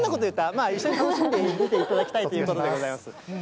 まあ、一緒に楽しんで見ていただきたいということでございます。